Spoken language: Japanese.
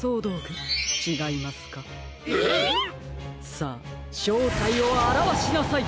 さあしょうたいをあらわしなさい！